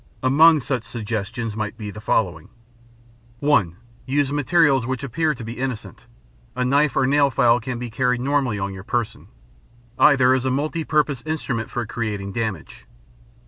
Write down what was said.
Among such suggestions might be the following: (1) Use materials which appear to be innocent. A knife or a nail file can be carried normally on your person; either is a multi purpose instrument for creating damage.